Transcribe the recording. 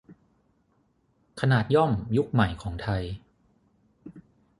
ขนาดย่อมยุคใหม่ของไทย